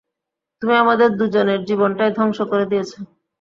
তুমি আমাদের দুজনের জীবনটাই ধ্বংস করে দিয়েছো।